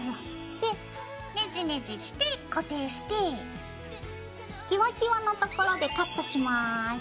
でネジネジして固定してキワキワの所でカットします。